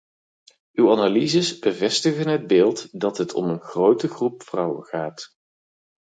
Uw analyses bevestigen het beeld dat het om een grote groep vrouwen gaat.